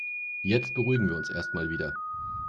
Jetzt beruhigen wir uns erstmal wieder.